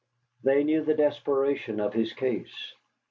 They knew the desperation of his case.